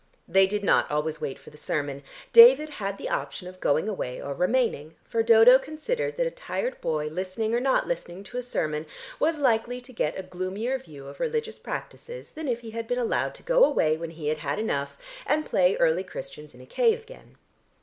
They did not always wait for the sermon; David had the option of going away or remaining, for Dodo considered that a tired boy listening or not listening to a sermon was likely to get a gloomier view of religious practices than if he had been allowed to go away when he had had enough and play early Christians in a cave again.